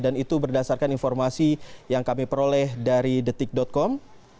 dan itu berdasarkan informasi yang kami peroleh dari detik com